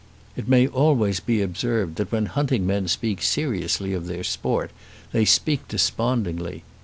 It may always be observed that when hunting men speak seriously of their sport, they speak despondingly.